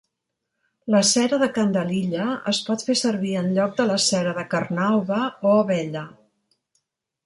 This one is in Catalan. La cera de candelilla es pot fer servir enlloc de la cera de carnauba o abella.